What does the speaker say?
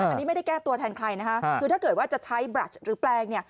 อันนี้ไม่ได้แก้ตัวแทนใครนะคะคือถ้าเกิดว่าจะใช้แปลง